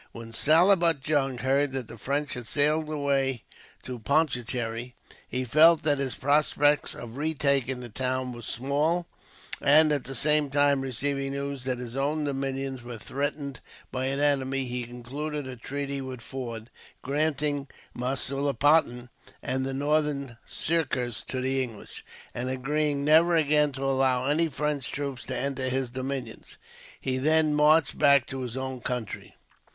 When Salabut Jung heard that the French had sailed away to Pondicherry, he felt that his prospects of retaking the town were small; and, at the same time receiving news that his own dominions were threatened by an enemy, he concluded a treaty with Forde, granting Masulipatam and the Northern Sirkars to the English, and agreeing never again to allow any French troops to enter his dominions. He then marched back to his own country.